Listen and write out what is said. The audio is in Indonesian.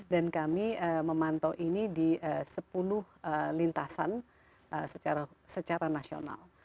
dan kami memantau ini di sepuluh lintasan secara nasional